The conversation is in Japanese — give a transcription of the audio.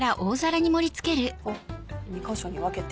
おっ２か所に分けて。